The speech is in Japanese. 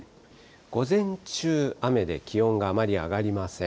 午前中、雨で気温があまり上がりません。